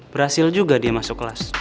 berhasil juga dia masuk kelas